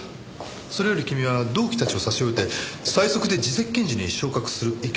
それより君は同期たちを差し置いて最速で次席検事に昇格する勢いなんだって？